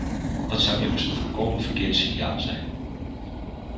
Dat zou immers een volkomen verkeerd signaal zijn.